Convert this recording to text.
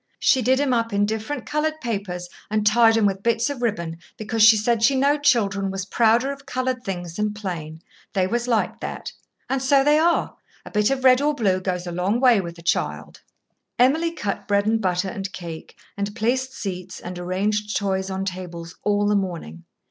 She did 'em up in different coloured papers, and tied 'em with bits of ribbon, because she said she knowed children was prouder of coloured things than plain they was like that. And so they are: a bit of red or blue goes a long way with a child." Emily cut bread and butter and cake, and placed seats and arranged toys on tables all the morning.